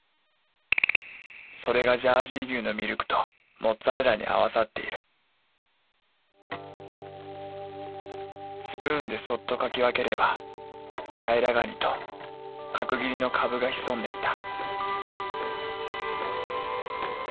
それがジャージー牛のミルクとモッツァレラに合わさっているスプーンでそっとかき分ければ多比良ガニと角切りの蕪が潜んでいたうわ！